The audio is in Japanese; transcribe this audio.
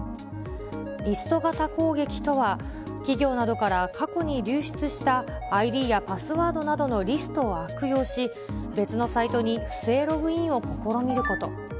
リスト型攻撃とは、企業などから過去に流出した、ＩＤやパスワードなどのリストを悪用し、別のサイトに不正ログインを試みること。